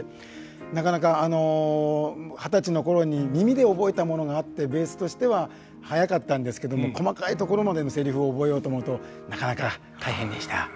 なかなか二十歳の頃に耳で覚えたものがあってベースとしては早かったんですけど細かいところまでのセリフを覚えようと思うとなかなか大変でした。